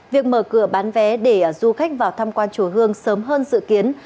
việc mở cửa bán vé để du khách vào tham quan chùa hương sớm hơn dự kiến